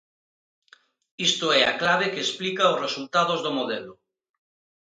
Isto é a clave que explica os resultados do modelo.